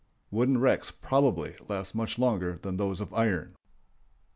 Wooden wrecks probably last much longer than those of iron.